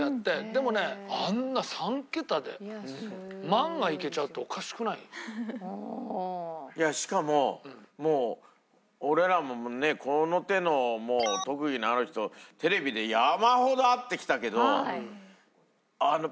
でもねあんな３桁で万がいけちゃうっておかしくない？しかももう俺らもねこの手の特技のある人テレビで山ほど会ってきたけど。